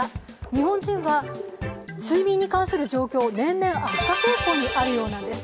日本人は、睡眠に関する状況、年々悪化傾向にあるんです。